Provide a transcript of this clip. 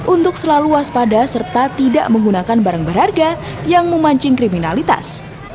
untuk selalu waspada serta tidak menggunakan barang berharga yang memancing kriminalitas